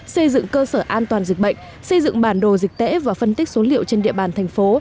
xây dựng cơ sở an toàn dịch bệnh xây dựng bản đồ dịch tễ và phân tích số liệu trên địa bàn thành phố